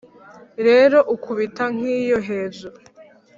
Rero ukubita nk’iyo hejuru